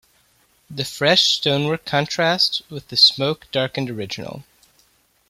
The fresh stonework contrasts with the smoke-darkened original.